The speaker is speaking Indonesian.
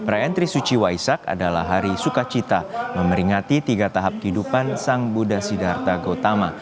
rayaan trisuci waisak adalah hari sukacita memeringati tiga tahap kehidupan sang buddha siddhartha gautama